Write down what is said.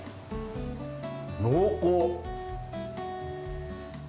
濃厚！